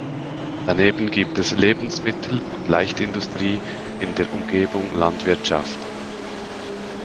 Daneben gibt es Lebensmittel- und Leichtindustrie, in der Umgebung Landwirtschaft.